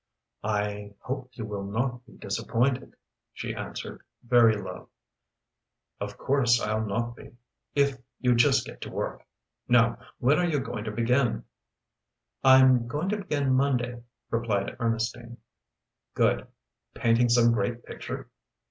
"I hope you will not be disappointed," she answered, very low. "Of course I'll not be if you just get to work. Now when are you going to begin?" "I'm going to begin Monday," replied Ernestine. "Good! Painting some great picture?"